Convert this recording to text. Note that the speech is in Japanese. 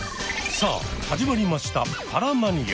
さあ始まりました「パラマニア」。